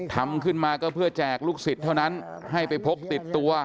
ทำขึ้นมาก็เพื่อแจกลูกศิษย์เท่านั้นให้ไปพกติดตัว